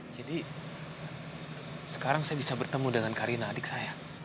jadi sekarang saya bisa bertemu dengan karina adik saya